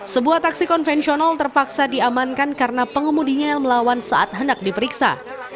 sebuah taksi konvensional terpaksa diamankan karena pengemudinya yang melawan saat hendak diperiksa